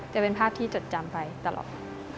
จะเป็นภาพที่จดจำไปตลอด